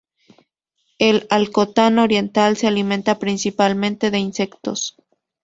El alcotán oriental se alimenta principalmente de insectos.